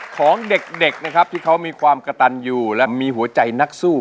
ของเด็กนะครับที่เขามีความกระตันอยู่และมีหัวใจนักสู้